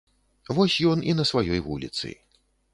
Вось ён і на сваёй вуліцы.